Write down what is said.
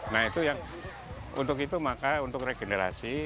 nah itu yang untuk itu maka untuk regenerasi